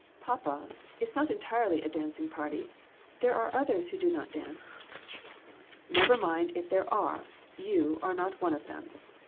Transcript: " Papa, it is not entirely a dancing party ; there are others who do not dance." "Never mind if there are; you are not one of them.